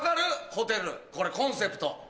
ホテルこれコンセプト。